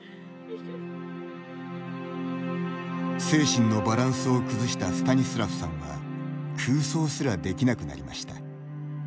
精神のバランスを崩したスタニスラフさんは空想すらできなくなりました。